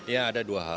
ya ada dua hal